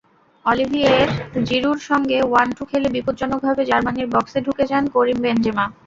Olivier জিরুর সঙ্গে one two খেলে বিপজ্জনকভাবে জার্মানির বক্সে ঢুকে যান করিম বেনজেমা।